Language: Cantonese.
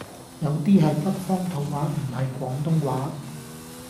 有 D 係北方土話唔係廣東話